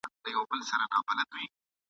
هم د کور غل دی هم دروغجن دی ..